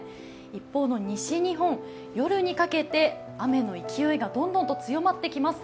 一方の西日本、夜にかけて雨の勢いがどんどんと強まっていきます。